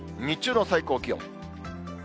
日中の最高気温。